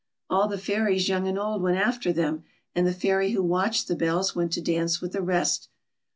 All the fairies, young and old, went after them, and the fairy who watched the bells went to dance with the rest.